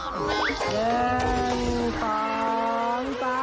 น้ำน้ำ